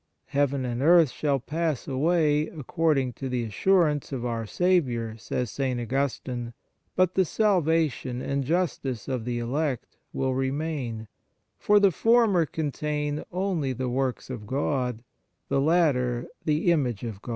" Heaven and earth shall pass away, according to the assurance of our Saviour," says St. Augustine, " but the salvation and justice of the elect will remain; for the former contain only the works of God, the latter the image of 1 Aug.